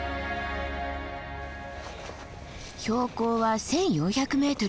標高は１，４００ｍ。